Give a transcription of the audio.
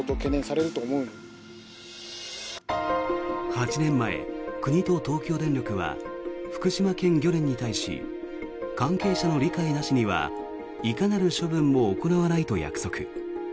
８年前、国と東京電力は福島県漁連に対し関係者の理解なしにはいかなる処分も行わないと約束。